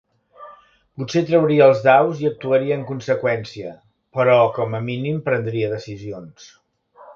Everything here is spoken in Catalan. Potser trauria els daus i actuaria en conseqüència, però com a mínim prendria decisions.